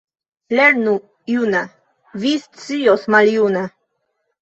Lernu juna — vi scios maljuna.